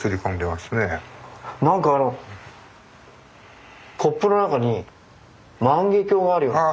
何かコップの中に万華鏡があるような。